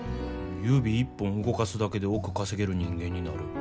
指一本動かすだけで億稼げる人間になる。